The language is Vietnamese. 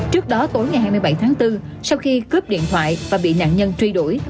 trước đó tối ngày hai mươi bảy tháng bốn sau khi cướp điện thoại và bị nạn nhân truy đuổi